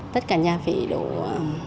tất cả nhà phải đổ